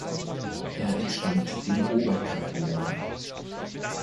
Er entstammt dem Oberkarbon.